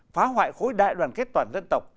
phá hoại khối đại đoàn kết toàn dân tộc